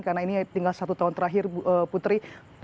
karena ini tinggal satu tahun terakhir putri